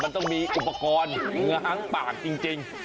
มันต้องมีอุปกรณ์ง้างปากจริง